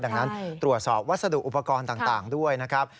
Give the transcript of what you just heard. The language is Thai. ดังนั้นตรวจสอบวัสดุอุปกรณ์ต่างด้วยนะครับ